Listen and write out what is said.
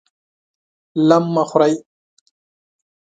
لم مه خورئ!